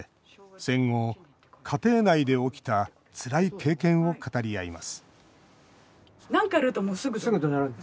戦後、家庭内で起きたつらい経験を語り合います